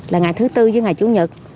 là ngày thứ bốn với ngày chủ nhật